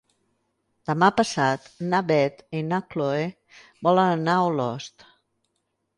Demà passat na Beth i na Chloé volen anar a Olost.